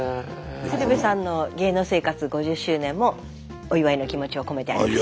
鶴瓶さんの芸能生活５０周年もお祝いの気持ちを込めてあります。